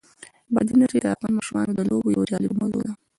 بادي انرژي د افغان ماشومانو د لوبو یوه جالبه موضوع ده.